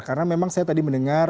karena memang saya tadi mendengar